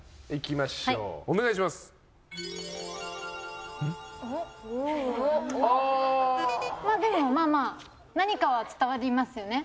まあでもまあまあ何かは伝わりますよね？